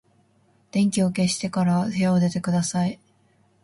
電気を消してから部屋を出てください。